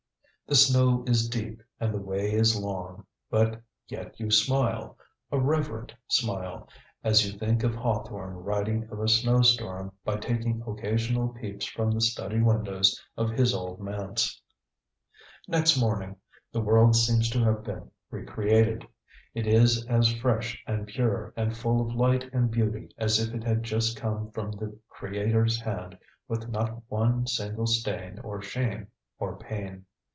The snow is deep and the way is long, but yet you smile a reverent smile as you think of Hawthorne writing of a snow storm by taking occasional peeps from the study windows of his old manse. Next morning the world seems to have been re created. It is as fresh and pure and full of light and beauty as if it had just come from the Creator's hand with not one single stain or shame or pain.